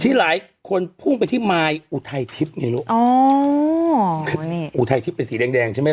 ที่หลายคนพุ่งไปที่ไมล์อุไททิปไม่รู้อ๋ออุไททิปเป็นสีแดงแดงใช่ไหมล่ะ